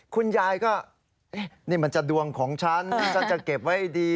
คุณยายก็นี่มันจะดวงของฉันที่ฉันจะเก็บไว้ดี